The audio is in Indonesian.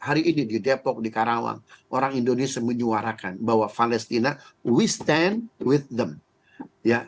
hari ini di depok di karawang orang indonesia menyuarakan bahwa palestina kita berdiri bersama mereka